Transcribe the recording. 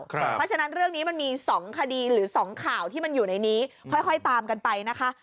เพราะฉะนั้นเรื่องนี้มันมี๒คดีหรือ๒ข่าวที่มันอยู่ในนี้ค่อยตามกันไปนะคะ